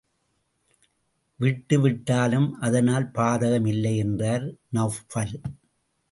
விட்டு விட்டாலும் அதனால் பாதகம் இல்லை என்றார் நெளபல்.